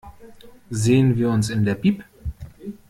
Sehen wir uns in der Bib?